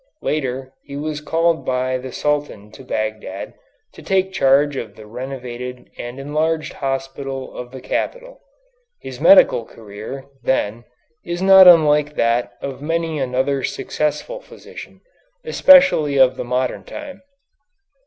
Later he was called by the Sultan to Bagdad to take charge of the renovated and enlarged hospital of the capital. His medical career, then, is not unlike that of many another successful physician, especially of the modern time.